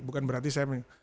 bukan berarti saya